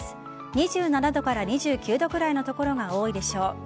２７度から２９度くらいの所が多いでしょう。